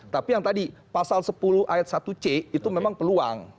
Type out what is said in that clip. tapi yang tadi pasal sepuluh ayat satu c itu memang peluang